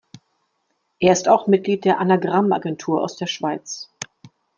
Er ist auch Mitglied der Anagramm-Agentur aus der Schweiz.